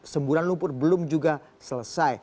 semburan lumpur belum juga selesai